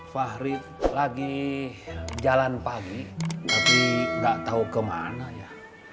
fahri lagi jalan pagi tapi gak tau kemana ya